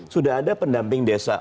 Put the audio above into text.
sudah ada pendamping desa